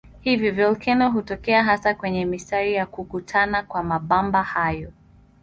Hivyo volkeno hutokea hasa kwenye mistari ya kukutana kwa mabamba hayo.